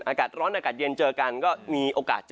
อากาศร้อนอากาศเย็นเจอกันก็มีโอกาสเจอ